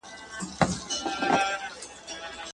دا نقيب رکم ـ رکم در پسې ژاړي